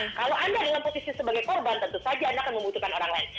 nah kalau anda dalam posisi sebagai korban tentu saja anda akan membutuhkan orang lain